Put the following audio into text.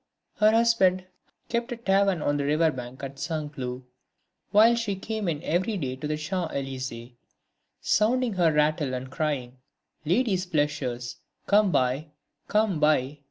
Her husband kept a tavern on the river bank at Saint Cloud, while she came in every day to the Champs Élysées, sounding her rattle and crying: "Ladies' pleasures, come buy, come buy!"